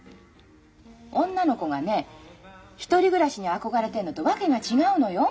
女の子がね１人暮らしに憧れてんのと訳が違うのよ？